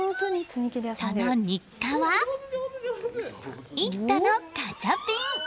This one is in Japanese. その日課は「イット！」のガチャピン。